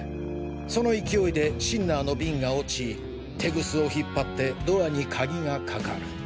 その勢いでシンナーのビンが落ちテグスを引っ張ってドアに鍵がかかる。